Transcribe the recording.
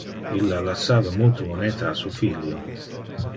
Illa lassava multe moneta a su filio.